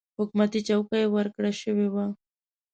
حکومتي چوکۍ ورکړه شوې وه.